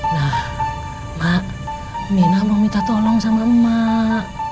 nah mak minah mau minta tolong sama mak